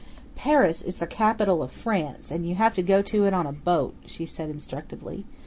"Paris is the capital of France, and you have to go to it on a boat," she said instructively.